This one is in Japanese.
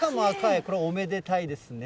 これ、おめでたいですね。